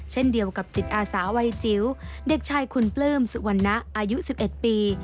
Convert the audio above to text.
เช่นเดียวกับจิตอาสาวัยจิ๋วเด็กชายคุณปลื้มสุวรรณะอายุ๑๑ปี